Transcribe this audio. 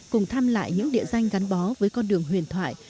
cùng thăm lại những địa danh gắn bó với con đường huyền thoại